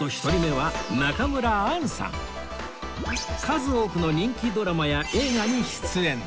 数多くの人気ドラマや映画に出演